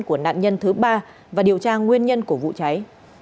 của nạn nhân thứ ba và điều tra nguyên nhân của vụ cháy